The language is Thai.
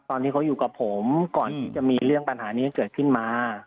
ตอนนี้เขาอยู่กับผมก่อนที่จะมีเรื่องปัญหานี้เกิดขึ้นมา